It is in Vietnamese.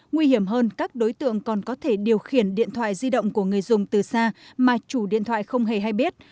nguy hiểm hơn các đối tượng còn có thể điều khiển điện thoại di động của người dùng từ xa mà chủ điện thoại không hề hay biết